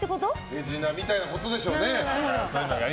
手品みたいなことでしょうね。